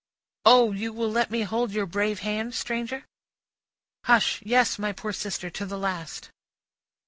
"O you will let me hold your brave hand, stranger?" "Hush! Yes, my poor sister; to the last."